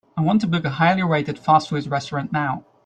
I want to book a highly rated fast food restaurant now.